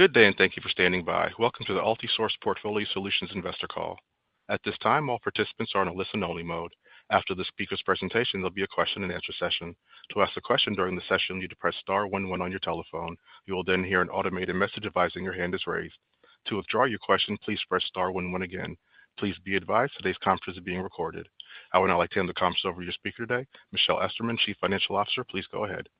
Good day, and thank you for standing by. Welcome to the Altisource Portfolio Solutions Investor Call. At this time, all participants are in a listen-only mode. After the speaker's presentation, there'll be a question-and-answer session. To ask a question during the session, you need to press star 11 on your telephone. You will then hear an automated message advising your hand is raised. To withdraw your question, please press star 11 again. Please be advised today's conference is being recorded. I would now like to hand the conference over to your speaker today, Michelle Esterman, Chief Financial Officer. Please go ahead.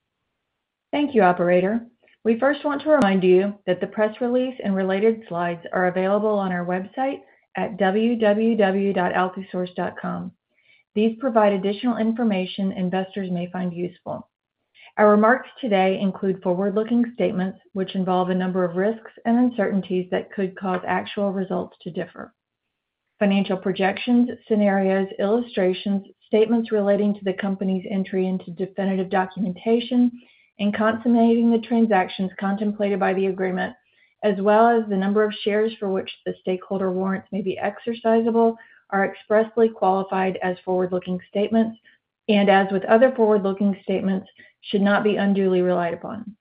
Thank you, Operator. We first want to remind you that the press release and related slides are available on our website at www.altisource.com. These provide additional information investors may find useful. Our remarks today include forward-looking statements, which involve a number of risks and uncertainties that could cause actual results to differ. Financial projections, scenarios, illustrations, statements relating to the company's entry into definitive documentation, and consummating the transactions contemplated by the agreement, as well as the number of shares for which the stakeholder warrants may be exercisable, are expressly qualified as forward-looking statements, and, as with other forward-looking statements, should not be unduly relied upon.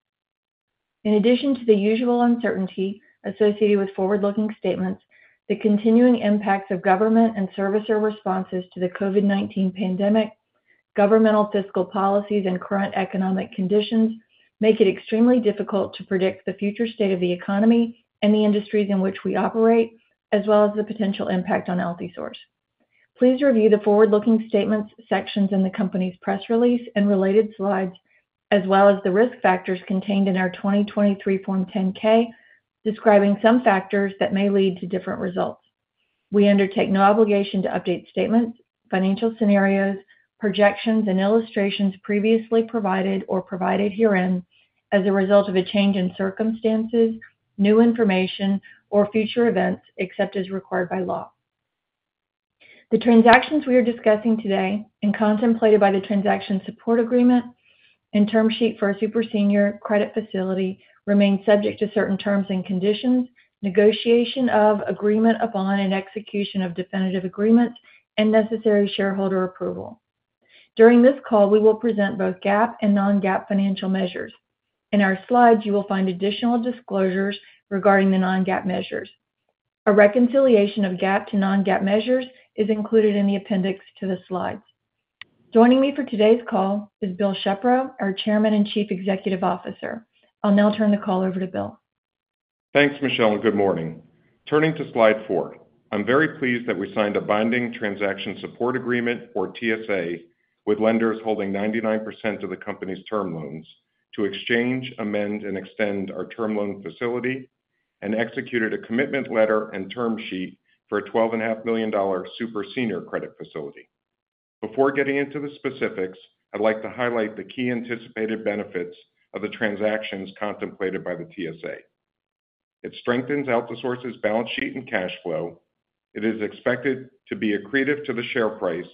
In addition to the usual uncertainty associated with forward-looking statements, the continuing impacts of government and servicer responses to the COVID-19 pandemic, governmental fiscal policies, and current economic conditions make it extremely difficult to predict the future state of the economy and the industries in which we operate, as well as the potential impact on Altisource. Please review the forward-looking statements sections in the company's press release and related slides, as well as the risk factors contained in our 2023 Form 10-K, describing some factors that may lead to different results. We undertake no obligation to update statements, financial scenarios, projections, and illustrations previously provided or provided herein as a result of a change in circumstances, new information, or future events except as required by law. The transactions we are discussing today and contemplated by the Transaction Support Agreement and term sheet for a super senior credit facility remain subject to certain terms and conditions, negotiation of agreement upon and execution of definitive agreements, and necessary shareholder approval. During this call, we will present both GAAP and non-GAAP financial measures. In our slides, you will find additional disclosures regarding the non-GAAP measures. A reconciliation of GAAP to non-GAAP measures is included in the appendix to the slides. Joining me for today's call is Bill Shepro, our Chairman and Chief Executive Officer. I'll now turn the call over to Bill. Thanks, Michelle, and good morning. Turning to slide four, I'm very pleased that we signed a binding Transaction Support Agreement, or TSA, with lenders holding 99% of the company's term loans to exchange, amend, and extend our term loan facility, and executed a commitment letter and term sheet for a $12.5 million super senior credit facility. Before getting into the specifics, I'd like to highlight the key anticipated benefits of the transactions contemplated by the TSA. It strengthens Altisource's balance sheet and cash flow. It is expected to be accretive to the share price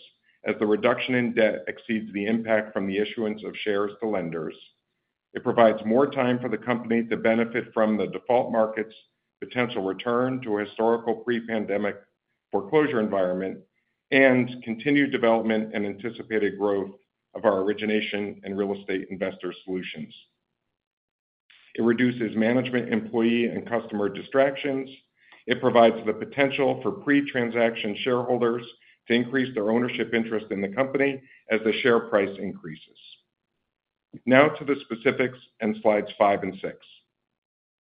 as the reduction in debt exceeds the impact from the issuance of shares to lenders. It provides more time for the company to benefit from the default markets, potential return to a historical pre-pandemic foreclosure environment, and continued development and anticipated growth of our origination and real estate investor solutions. It reduces management, employee, and customer distractions. It provides the potential for pre-transaction shareholders to increase their ownership interest in the company as the share price increases. Now to the specifics and slides five and six.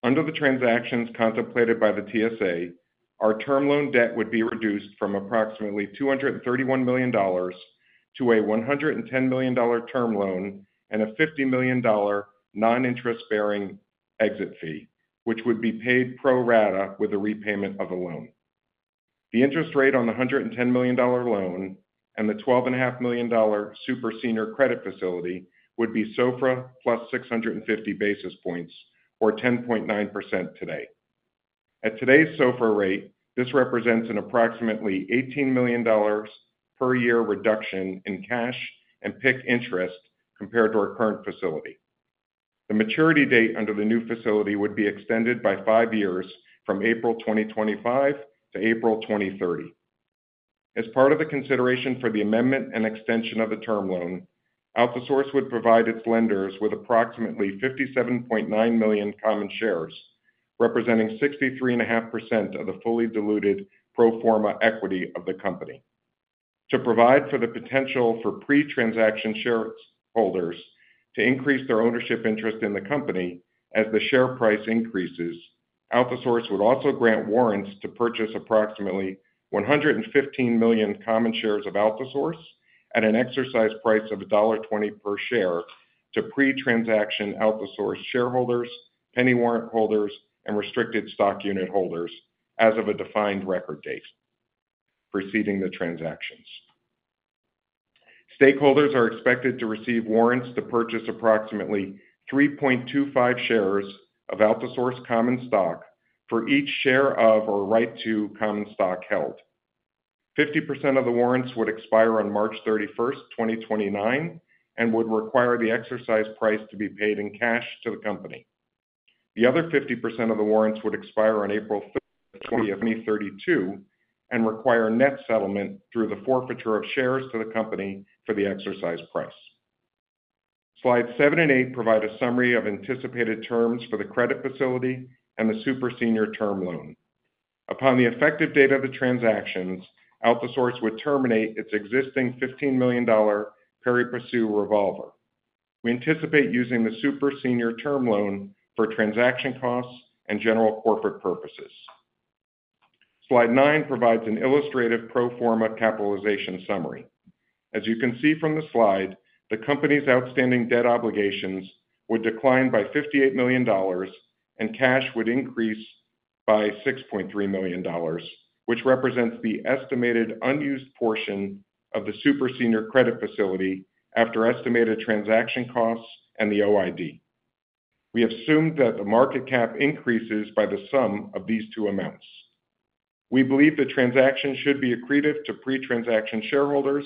Under the transactions contemplated by the TSA, our term loan debt would be reduced from approximately $231 million to a $110 million term loan and a $50 million non-interest-bearing exit fee, which would be paid pro rata with a repayment of a loan. The interest rate on the $110 million loan and the $12.5 million super senior credit facility would be SOFR plus 650 basis points, or 10.9% today. At today's SOFR rate, this represents an approximately $18 million per year reduction in cash and PIK interest compared to our current facility. The maturity date under the new facility would be extended by five years from April 2025 to April 2030. As part of the consideration for the amendment and extension of the term loan, Altisource would provide its lenders with approximately 57.9 million common shares, representing 63.5% of the fully diluted pro forma equity of the company. To provide for the potential for pre-transaction shareholders to increase their ownership interest in the company as the share price increases, Altisource would also grant warrants to purchase approximately 115 million common shares of Altisource at an exercise price of $1.20 per share to pre-transaction Altisource shareholders, penny warrant holders, and restricted stock unit holders as of a defined record date preceding the transactions. Stakeholders are expected to receive warrants to purchase approximately 3.25 shares of Altisource common stock for each share of or right to common stock held. 50% of the warrants would expire on March 31st, 2029, and would require the exercise price to be paid in cash to the company. The other 50% of the warrants would expire on April 5th, 2032, and require net settlement through the forfeiture of shares to the company for the exercise price. Slides seven and eight provide a summary of anticipated terms for the credit facility and the super senior term loan. Upon the effective date of the transactions, Altisource would terminate its existing $15 million pari passu revolver. We anticipate using the super senior term loan for transaction costs and general corporate purposes. Slide nine provides an illustrative pro forma capitalization summary. As you can see from the slide, the company's outstanding debt obligations would decline by $58 million, and cash would increase by $6.3 million, which represents the estimated unused portion of the super senior credit facility after estimated transaction costs and the OID. We have assumed that the market cap increases by the sum of these two amounts. We believe the transaction should be accretive to pre-transaction shareholders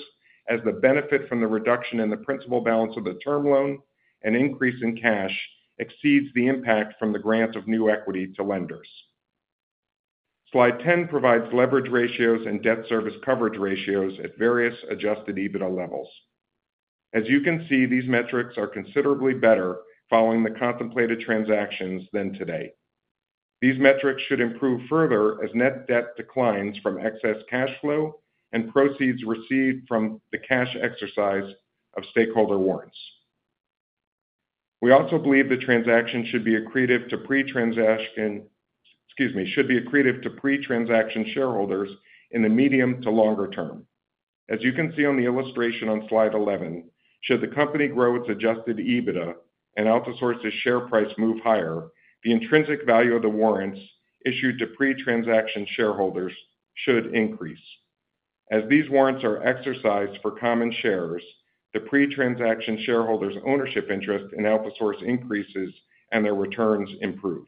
as the benefit from the reduction in the principal balance of the term loan and increase in cash exceeds the impact from the grant of new equity to lenders. Slide 10 provides leverage ratios and debt service coverage ratios at various Adjusted EBITDA levels. As you can see, these metrics are considerably better following the contemplated transactions than today. These metrics should improve further as net debt declines from excess cash flow and proceeds received from the cash exercise of stakeholder warrants. We also believe the transaction should be accretive to pre-transaction shareholders in the medium to longer term. As you can see on the illustration on Slide 11, should the company grow its Adjusted EBITDA and Altisource's share price move higher, the intrinsic value of the warrants issued to pre-transaction shareholders should increase. As these warrants are exercised for common shares, the pre-transaction shareholders' ownership interest in Altisource increases and their returns improve.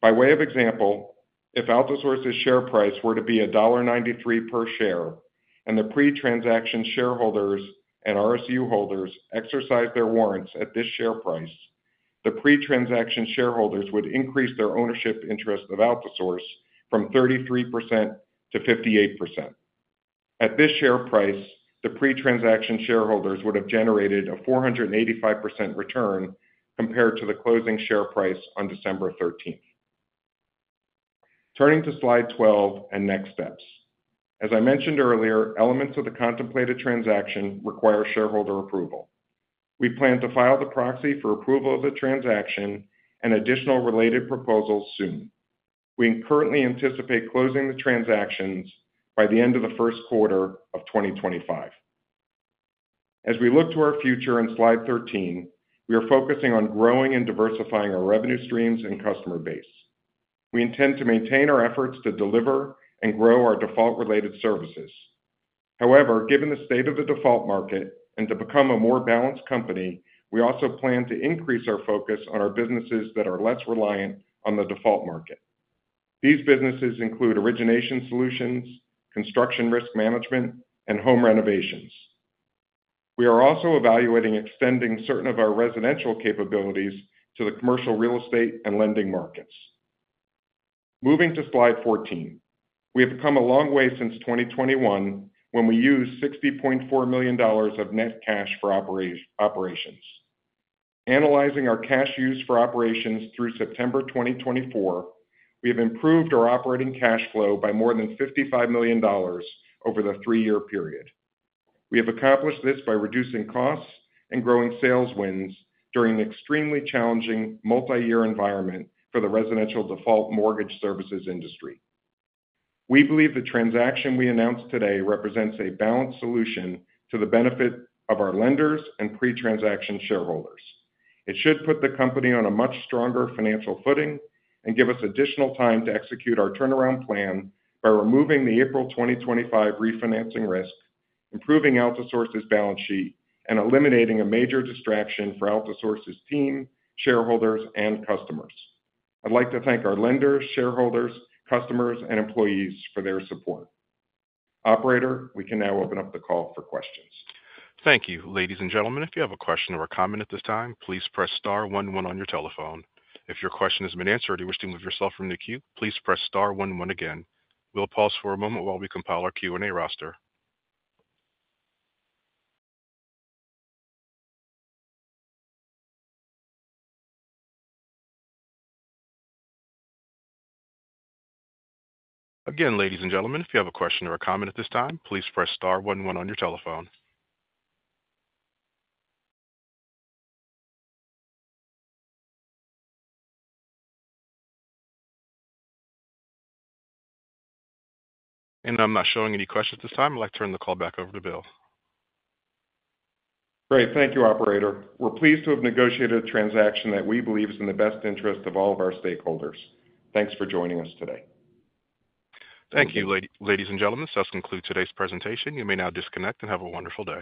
By way of example, if Altisource's share price were to be $1.93 per share and the pre-transaction shareholders and RSU holders exercise their warrants at this share price, the pre-transaction shareholders would increase their ownership interest of Altisource from 33% to 58%. At this share price, the pre-transaction shareholders would have generated a 485% return compared to the closing share price on December 13th. Turning to slide 12 and next steps. As I mentioned earlier, elements of the contemplated transaction require shareholder approval. We plan to file the proxy for approval of the transaction and additional related proposals soon. We currently anticipate closing the transactions by the end of the first quarter of 2025. As we look to our future in slide 13, we are focusing on growing and diversifying our revenue streams and customer base. We intend to maintain our efforts to deliver and grow our default-related services. However, given the state of the default market and to become a more balanced company, we also plan to increase our focus on our businesses that are less reliant on the default market. These businesses include origination solutions, construction risk management, and home renovations. We are also evaluating extending certain of our residential capabilities to the commercial real estate and lending markets. Moving to slide 14, we have come a long way since 2021 when we used $60.4 million of net cash for operations. Analyzing our cash used for operations through September 2024, we have improved our operating cash flow by more than $55 million over the three-year period. We have accomplished this by reducing costs and growing sales wins during an extremely challenging multi-year environment for the residential default mortgage services industry. We believe the transaction we announced today represents a balanced solution to the benefit of our lenders and pre-transaction shareholders. It should put the company on a much stronger financial footing and give us additional time to execute our turnaround plan by removing the April 2025 refinancing risk, improving Altisource's balance sheet, and eliminating a major distraction for Altisource's team, shareholders, and customers. I'd like to thank our lenders, shareholders, customers, and employees for their support. Operator, we can now open up the call for questions. Thank you. Ladies and gentlemen, if you have a question or a comment at this time, please press star 11 on your telephone. If your question has been answered or you wish to move yourself from the queue, please press star 11 again. We'll pause for a moment while we compile our Q&A roster. Again, ladies and gentlemen, if you have a question or a comment at this time, please press star 11 on your telephone. And I'm not showing any questions at this time. I'd like to turn the call back over to Bill. Great. Thank you, Operator. We're pleased to have negotiated a transaction that we believe is in the best interest of all of our stakeholders. Thanks for joining us today. Thank you, ladies and gentlemen. So that's concluded today's presentation. You may now disconnect and have a wonderful day.